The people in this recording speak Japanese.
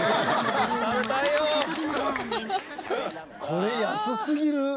これ安すぎる！